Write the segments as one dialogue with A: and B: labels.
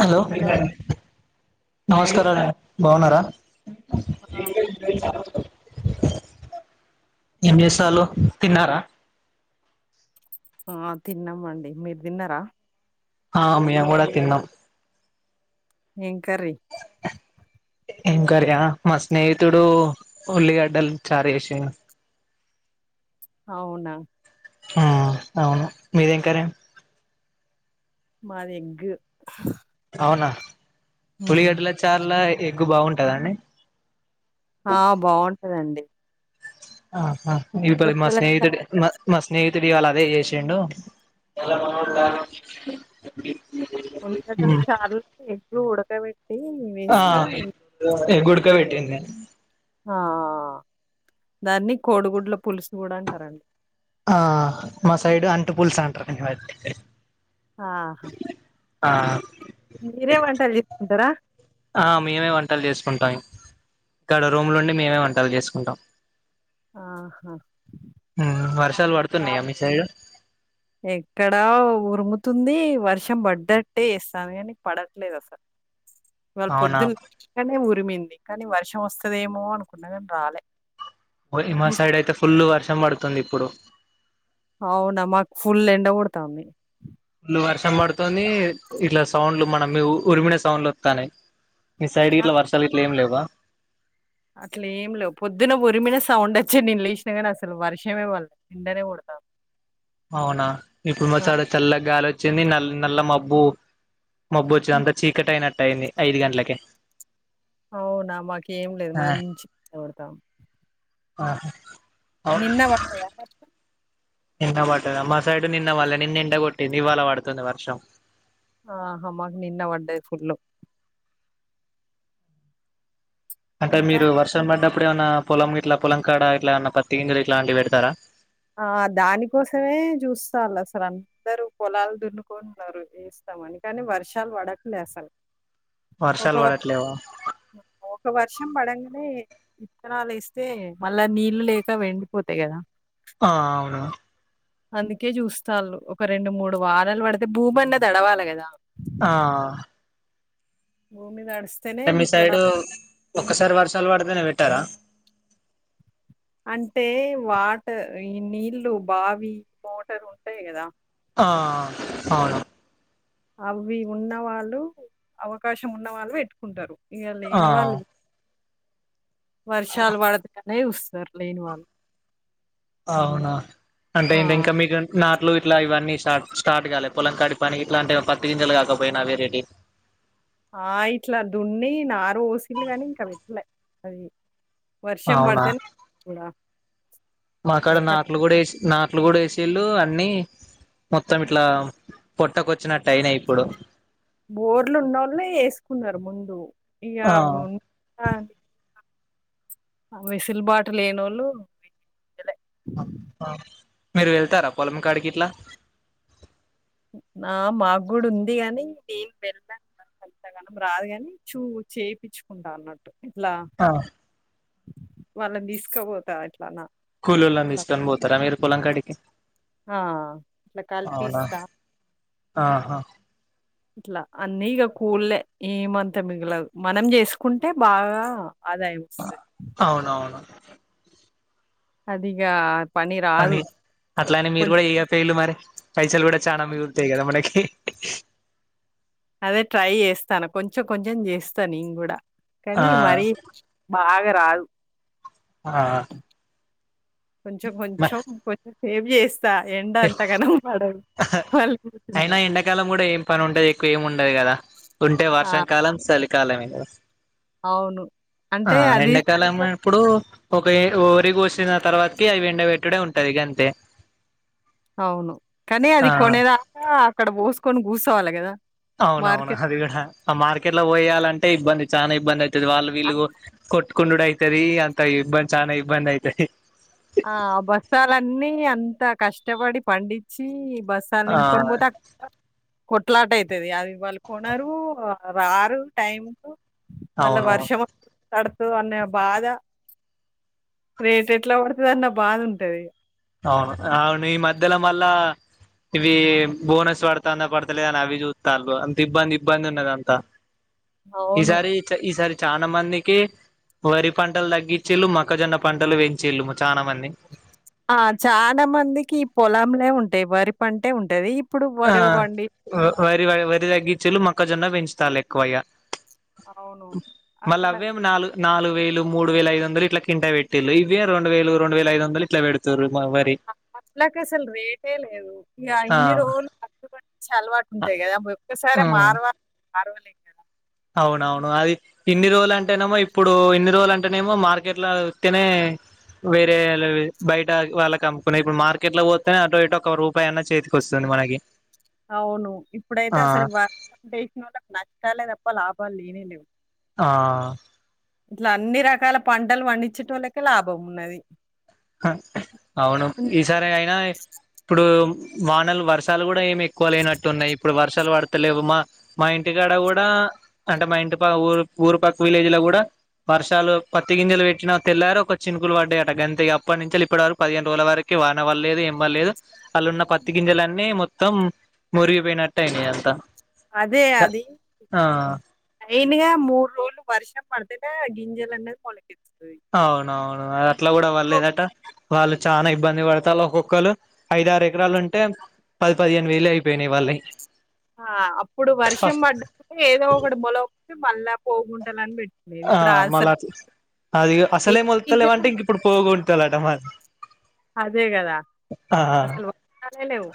A: Hello నమస్కారండి బాగున్నారా ఏం చేసాలు తిన్నారా
B: ఆ తిన్నాం అండి మీరు తిన్నారా
A: ఆ మీయం కూడా తిన్నాం
B: ఏం కర్రీ
A: ఏం కర్రీయ మా స్నేహితుడు ఉల్లిగడ్డలు చారు చేసిండు
B: అవునా
A: ఆ అవును మీరేం కరం
B: మాది ఎగ్
A: అవునా
B: హ్మ్.
A: తులిగడ్ల చార్ల ఎగ్గు బాగుంటుందండి
B: ఆ బాగుంటదండి
A: ఆహా ఇబ మా
B: ఉల్లిగడ్డల
A: స్నేహిత
B: చారు
A: మా స్నేహి తియాల అదే చేసండు
B: దుంట చార్లు ఎట్లు ఊడక
A: ఆ ఎగ్ ఉడుక వెట్టింది
B: ఆ దాన్ని కోడిగుడ్ల పులుసు కూడా అంటారండి
A: ఆ మా సైడు అంటు పుల్స్ అంటారు
B: ఆ
A: ఆ
B: మీరే వంటలు జెకుంటారా
A: ఆ మేమే వంటలు చేసుకుంటాం ఇక్కడ రూమ్ ల ఉండి మేమే వంటలు చేసుకుంటాం
B: ఆహా
A: వస్తున్నాయా మీ సైడ్
B: ఎక్కడా ఉరుముతుంది వర్షం పడ్డట్టే ఇస్తాను కానీ పడట్లేదు అసలు ఇవాళ
A: అవునా
B: పొద్దున్ననే ఉరిమింది కానీ వర్షం వస్తదేమో అనుకున్నా కానీ రాలే
A: ఇ మా
B: మీ సై
A: సైడ్ అయితే ఫుల్ వర్షం పడుతుంది ఇప్పుడు
B: అవునా మాకు ఫుల్ ఎండ కొడతంది
A: ఇళ వర్షం పడుతుంది ఇట్లా సౌండ్లు మన ఉరిమిన సౌండ్లు వస్తానేయి మీ సైడ్ ఇట్ల వర్షాలు ఇట్ల ఏం లేవా
B: అట్లే ఏం లేవు పొద్దున ఉరిమినట్టు సౌండ్ వచ్చి నేను లేసినా కానీ అసలు వర్షమే ఆ వల్లే ఏండనే కొడతంది
A: అవునా ఇప్పుడు మాడ చల్లగా గాలి వచ్చింది నల్ నల్ల మబ్బు మబ్బొ వచ్చు
B: హ్మ్.
A: అంతా చీకట అయినట్టు అయింది ఐదు గంటలకె
B: అవునా మాక ఏం లేదు మంచి చడతాం
A: ఆ
B: నిన్న వడ్డాద మరి
A: నిన్న వడ్డద మా సైడ్ నిన్న వల్లే నిన్న ఎండ కొట్టింది ఇవాళ వడుతది వర్షం
B: ఆహ మాకు నిన్న వడ్డది ఫుల్
A: అంటే
B: ఇంకా
A: మీరు వర్షం పడ్డప్పుడు ఏమైన్నా పొలం ఇట్లా పొలంకాడ ఇట్లాన్న పత్తికింజలు ఇట్లాంటివి పెడతారా
B: ఆ దాని కోసమే చూస్తాల అసలు అందరుూ పొలాలు దున్నుకొన్నారు వస్త అని కానీ వర్షాలు పడట్లే అసలు ఒక
A: వర్షాలు
B: వర్ష
A: పడట్లేవా
B: ఒక వర్షం పడంగ అ ఇత్తనాలు ఇస్తే మళ్ళా నీళ్లు లేక వెండిపోతాయి కదా
A: ఆ అవును
B: అందుకే చూస్తాళ్ళు ఒక రెండు మూడు వారాలు పడితే భూమి అన్న తడవాలి కదా
A: ఆ
B: భూమిదడు
A: అంటే మీ సైడు ఒక్కసారి వర్షాలు పడితేనే పెట్టారా
B: అంటే వాట ఈ నీళ్ళు బావి మోటర్ ఉంటాయి కదా
A: ఆ అవును
B: అవి ఉన్న వాళ్ళు అవకాశం ఉన్న వాళ్ళు ఎట్టుకుంటారు ఇగ
A: ఆ
B: లేనివాళ్లు వర్షాలు పడదు కానే వస్తారు లేని వాళ్ళు
A: అవునా అంటే
B: ఆ
A: ఏంటి ఇంకా మీకు నా ఇట్లు ఇట్లా ఇవన్నీ స్టార్ట్ స్టార్ట్ కాల పొంలకాడి పని ఇట్లా అంటే పత్తి గింజలు కాకపోయిన వేరేటి
B: ఆ ఇట్లా దున్ని నాబోసిండు గాని ఇంకా పెట్టలే అది వర్షం బ్యాడ్తేనే చూడా
A: మాక్కడ నట్లు కూడా వే నట్లు కూడా వేసి చెల్లు అన్ని మొత్తం ఇట్లా పొట్టకొచ్చినట్టు ఐనియ్ ఇప్పుడు
B: బోర్లు ఉన్న వాళ్ళ వేసుకున్నారు ముందు ఇక
A: ఆ
B: ఉ ఆ వెసులుబాటు లేనోళ్ళు
A: ఆ మీరు వెళ్తారా పొలం కాడికి ఇట్లా
B: ఆ మాగుడుఉంది గాని నేను వెళ్తాను ఎంతగానం రాదుగాని చూ చేయించుకుంటా అన్నట్టు ఇట్లా
A: ఆ
B: వాళ్ళని తీసుకోపోతా అట్లానా
A: కులోలాన్ తీసుకొని పోతారా మీరు పొలం కాడికి
B: ఆ ఇట్లా
A: అవునా
B: కలిపిస్తా
A: ఆహా
B: ఇట్లా అన్నీ ఇక కూళ్లే ఏమంతా మిగిలదు మనం చేసుకుంటే బాగా ఆదాయం వస్తది
A: అవునవును
B: అదిగా
A: అని అట్లానే మీరు కూడా ఏ ఫేయిలు మరి పైసలు కూడా చనా మిగుతాయి కదా చానా మనకి
B: అదే ట్రై చేస్తాను కొంచెం కొంచెం చేస్తాను నేన్కూడా
A: ఆ
B: కానీ మరి బాగా రాదు
A: ఆ
B: కొంచెం కొంచెం కొంచెం సేవ్ చేస్త పగలగొట్టుకుంటా.
A: అయినా ఎండాకాలం కూడా ఏం పని ఉంటది ఎక్కువ ఏమి ఉండదు కదా ఉంటే
B: ఆ!
A: వర్షాంకాలం సలికాలమే కదా
B: అవును.
A: ఆ
B: అంటే అది
A: ఎండాకాలమ
B: చూసా
A: ఆప్పుడు ఒక ఊరి కోసిన తర్వాతకి అవి ఎండబట్టుడే ఉంటదిగంతే
B: అవును కానీ అది కొనేదాకా అక్కడ పోసుకొని కూర్చోవాలి కదా
A: అవున అవును అది కూడా ఆ మార్కెట్లో పోయాలంటే ఇబ్బంది చాలా ఇబ్బంది అ వాళ్ళు వీళ్ళ
B: ఆ!
A: కొట్టుకుండు అయితది అంత ఇబ్బంది చా ఇబ్బంది అయితది
B: ఆ బస్థలాన్ని అంత కష్టపడి పండించి బస్తాల్
A: ఆ
B: నిప్కుని పోతాడ్ కొట్లాట అయితది అది వాళ్ళ కొనరు రారు టైం మళ్ళా
A: అవును
B: వర్షం తడ్ అన్న బాధ రేట్ ఎట్లా పడుతుంది అన్న బాధ ఉంటది
A: అవును అవును ఈ మధ్యలో మళ్ళ ఇవి బోనస్ పడాతందా పడతలేదని అవి చూతన్రు అంత ఇబ్బంది ఇబ్బంది ఉన్నదంతా
B: అవును.
A: ఈసారి చ ఈసారి చానా మందికి వరి పంటలు తగ్గించేళ్ళు మొక్కజొన్న పంటలు పెంచేళ్ళు చాలా మంది
B: ఆ చాలా మందికి పొలంలే ఉంటాయి వరి పంటే ఉంటది ఇప్పుడు
A: ఆ
B: వరి పండి
A: వరి వ వరి తగ్గించలు మొక్కజొన్న పెంచుతాలి ఎక్కువగా
B: అవును.
A: మళ్ళీ
B: అసల
A: అవేమి నాలుగు నాలుగు వేలు మూడు వేల ఐ వంద ఇలా కింటా పెట్టటి ఇవే రెం వేలు రెండు వేలఐదు వందలు ఇట్లా పెడతారు
B: అట్లకాషల్ రేటే లేదు ఇక
A: ఆ
B: ఇన్ని రోజులు అలవాటు ఉంటాయి కదా ఒక్కసారె
A: ఉమ్
B: మారవ మారవలే కదా
A: అవునవును అది ఇన్ని రోజులు అంటేనేమో ఇప్పుడు ఇన్ని రోజులుంటేనేమో మార్కెట్ల చూతనే వేరే అలది బయట వాళ్ళకి కంపుకున్నా ఇప్పుడు మార్కెట్లో పోతేనే అటుో ఇటు ఒక రూపాయ అన్న చేతికి వస్తుంది మనగీ
B: అవును ఇప్పుడైతే అసలు వర్ చేసిన వాళ్ళ నష్టాలే తప్ప లాభాలు లేనే లేవు
A: ఆ
B: ఇట్లా అన్ని రకాల పంటలు పందిచెంటోలకే లాభం ఉన్నది
A: ఆ అవును
B: హ్మ్.
A: ఈసారి అయినా ఇప్పుడు వానలు వర్షాలు కూడా ఏమి ఎక్కువ లేనట్టు ఉన్నాయి ఇప్పుడు వర్షాలు పడతలేవు మా మా ఇంటికాడ కూడా అంటే మా ఇంటి ఊరు ఊరుపాక్క విలేజ్లో కూడా వర్షాలు పత్తి గింజలు పెట్టినా తెల్లారె ఒక చినుకులు పడ్డాయియట గంత ఆప్పటి నుంచలు ఇప్పటివరకు పదిహేను రోజుల వరకు వానపలేదు ఏంపలేదు అల్ ఉన్న పత్తి గింజలన్నీ మొత్తం మురుగి పోయినటాయినై అంత
B: అదే అది లైన్గ మూడు రోజులు వర్షం పడ్తటే గింజల అనై క్వాలిటీ
A: అవునవును అ అట్లా
B: ఓ
A: కూడాపడ్లేదంట వాళ్ళు చాలా ఇబ్బంది పడతారు ఒక్కొక్కళ్రు ఐదు ఆరు ఎకరాలు ఉంటే పది పదిహేను వేలు అయిపోయినాయి వాళ్ళు ఎ
B: ఆ అప్పుడు వర్షం పడ్డ ఏదో ఒకటి మొల మళ్ళా పోకుంటాలని పెట్
A: ఆ మళ్ళ అది
B: ఏ
A: అసలే మొలతలేవంటే
B: సీజను
A: ఇంక ఇప్పుడు పోగుంటాలట మ
B: అదే కదా
A: ఆ
B: అసాల్ వర్షలే లేవు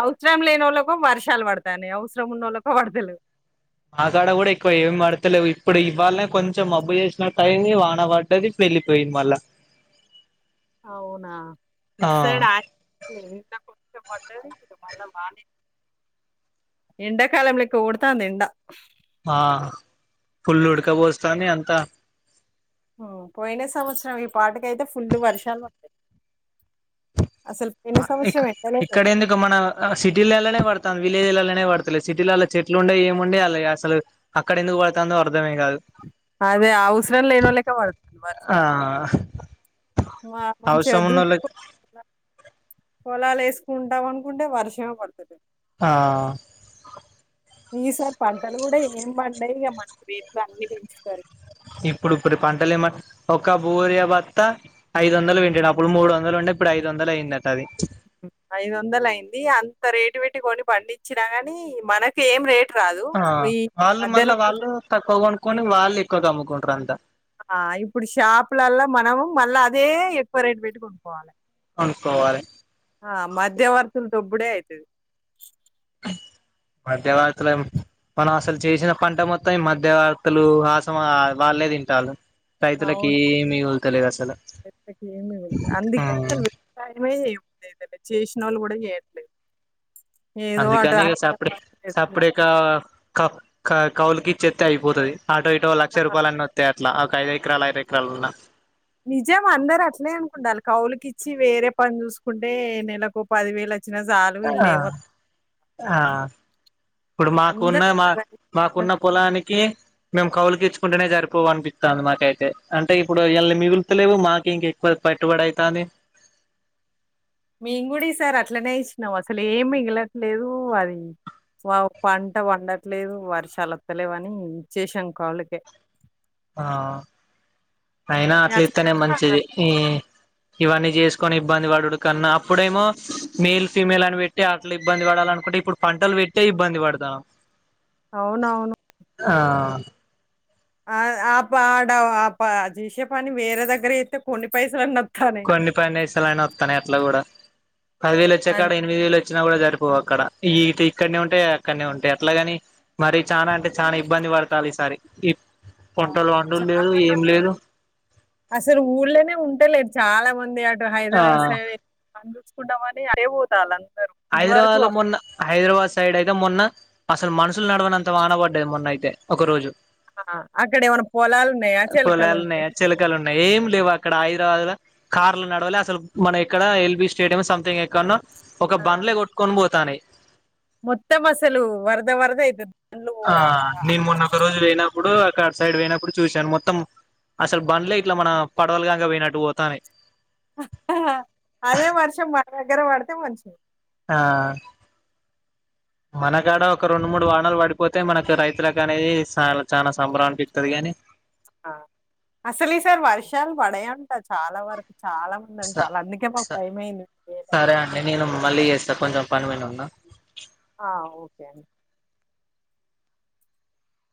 B: అవస్రం లేని వాళ్ళకి వర్షాలు పడతానై అవసరం ఉన్న వాళ్ళకి పడత్లెవ్
A: ఆకాడ కూడా ఎక్కువ ఏమి పడతలేవు ఇప్పుడు ఇవవాళనే కొంచెం మబ్బు చేసినట్టుయి వాన పడ్డది తెల్లిపోయిన్దిమాళ్ళ
B: అవునా ఇట్ సైడ్ లేదు ఇక్కడపడ్డది మళ్ళ మానే ఎండకాలంలెక్క కొడ్డాతంది ఎండ
A: ఆ ఫుల్లు ఉడకపోస్తాది అంతా
B: ఆ పోయిన సంవత్సరం ఇప్పటికైతే ఫుల్లు వర్షాలు ఉంనై
A: ఇ ఇక్కడ ఎందుకు మన సిటీలలోనే పడుతాంది విలేజ్లనే పడతాలే సిటీలల్లో చెట్లు ఉండయి ఏముండై అసలు అక్కడ ఎందుకు పడుతు అర్ధమే కాదు
B: అదే అవసరం లేనోళ్ళకే పడుతుంది వర్షం.
A: ఆ
B: మా మంచి
A: అవసరం
B: దూ
A: ఉన్నోళ్ళకి
B: పొలాలు వేసుకుంటాం అనుకుంటే వర్షమే పడుతుంది
A: ఆ
B: ఈసారి పంటలు కూడా ఏం పండాయి ఇక మన్కి రీట్లు అన్ని పెంచుతారు
A: ఇప్పుడు ఇప్పుడు పంటలు ఏమ ఒక బోరియ బత్తా ఐదు వందలు పెట్టాడు అప్పుడు మూడు వందలు ఉండే ఇప్పుడు ఐదు వందలయిదంట అది
B: ఐదు వందల అయింది అంత రేటు పెట్టి కొని పండించినా గాని మనక ఏం రేటు రాదు.
A: ఆ
B: ఈ
A: వాళ్ళు
B: మధ్యలో
A: మళ్ళా
B: ఉంటే-
A: వాళ్ళు తక్కువ కొనుకొని వాళ్ళు ఎక్కువ త అమ్ముకుంటారు అంతా
B: ఆ ఇప్పుడు షాపులల్లా మనం మళ్ళా అదే ఎక్కువ రేటు పెట్టి కొనుక్కోవాలి.
A: చూసుకోవాలే
B: ఆ మధ్యవర్తులు దొబ్బడే అయితది.
A: మధ్యవర్తులేం మనం అసలు చేసిన పంట మొత్తం ఈ మధ్యవర్తులు హాసం వాళ్ళే తింటారు. తయితులకి మీ ఉల్తలే అస్
B: రెస్పెట్ ఏమీ ఉంట అందుకే అసలు వ్యవసాయమే చేయ లేదండి చేసిన వాళ్ళు కూడా చేయట్లేదు. ఏదో అటు
A: అందుకని సప్పుడ
B: హైదరాబాద్ చేస్తున్నారు.
A: సప్పుడికావ క కౌలుకి ఇచ్చ ఎత్తే అయిపోతది ఆటో ఇటో లక్ష రూపాయలన్న వ తయారు ఇట్లా ఒక ఐదు ఎకరాలు ఐదు ఎకరాలున్నా
B: నిజం అందరు అట్లే అనుకుండాలి కౌలుకి ఇచ్చి వేరే పని చూసుకుంటే నెలకు పదివేలు
A: ఆ ఆ ఇప్పుడు మాకున్న
B: అందరూ
A: మా మాకున్న
B: అట్లనే.
A: పొలానికి మేము కౌలుకి ఇచ్చుకుంటేనే సరిపోవ అనిపిత్తంది మాకైతే అంటే ఇప్పుడు ఇళ్ల్ని మిగులుతలే లేవు మాకు ఇంక ఎక్కువ పెట్టుబడయితానే
B: మేము కూడా ఈసారి అట్లనే ఇచ్చినాం అసలు ఏం మిగిలట్లేదు అది వావ్ పంట వండట్లేదు వారు చలత్తలేవని చేసాం కాళ్ళకే
A: ఆ అయినా అట్లా ఇస్తేనే మంచిది ఈ ఇవన్నీ చేసుకుని ఇబ్బంది పడుడు కన్నా అప్పుడేమో మేల్ ఫీమేల్ అని పెట్టి అట్లా ఇబ్బంది పడాల అనుకుంటే ఇప్పుడు ప పంటలు పెట్టే ఇబ్బంది పడతాం.
B: అవునవును ఆ ఆబ్బ ఆడ ఆప్ప జీసేపాని వేరే దగ్గర అయితే కొన్ని పైసలు ఉన్న
A: కొన్ని పనేసలున వత్తాను ఎట్లా కూడా పదివేలు
B: అది
A: వచ్చేకాడ ఎనిమిదివేలే వచ్చిన కూడా జరిపువు అక్కడ ఇటు ఇక్కడనే ఉంటే అక్కడనే ఉంటాయి అట్లాగాని మరి చానా అంటే చానా ఇబ్బంది వడతాల ఈ సారి ఈ పంటలు పండుడు లేదు
B: చాలా
A: ఏం
B: మంది
A: లేదు
B: అసలు ఊళ్ళనే ఉంటేలే చాలా మంది అటు
A: ఆ
B: హైదరాబాద్ సై ప చూచుకుంటామని అటే పోతళ్ల
A: హైదరాబాద్ లో మొన్న హైదరాబాద్ సైడ్ అయితే మొన్న అసలు మనుషులు నడవనంత వాన పడ్డది మొన్న అయితే ఒక రోజు
B: ఆ! అక్కడేమన్నా పొలాలున్నాయా?
A: పొలాలు
B: చెలకలున్నాయా?
A: ఉన్నాయా చిలకలు ఉన్నాయి ఏమి లేవు అక్కడ హైదరాబాదు ల కార్లు నడవాలి అసలు మన ఇక్కడ ఎల్బి స్టేడియం సంథింగ్ ఎక్కన్నా ఒక బండ్లే కొట్టుకొని పోతానాయ్
B: మొత్త మసలు వరద వరద యితు
A: ఆ నేను మొన్నొ ఒక రోజు వెయినప్పుడు అక్కడ సైడ్ పోయినప్పుడు చూశాను మొత్తం అసలు బండ్లే ఇట్లా మన పడవలుగాక పోయినట్టు పోతానే
B: అహా అదే వర్షం మా దగ్గర వాడితే మనిషం
A: ఆ మనకాడ ఒక రెండు మూడు వానాలు పడిపోతే మనకు రైతులకు అనేది చ చాలా సంభరం అనిపితది కాగాని
B: అ అసలు ఈ సార్ వర్షాలు పడాయంట చాలా వరకు చాలా మంది
A: స
B: అంటాల అందుకే
A: స
B: భయం అయింది చేయలె
A: సరే అండి నేను మళ్ళీ చేస్తా కొంచెం పనిమీద ఉన్నా
B: ఆ ఓకే అండి